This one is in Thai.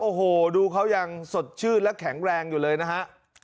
โอ้โหดูเขายังสดชื่นและแข็งแรงอยู่เลยนะฮะ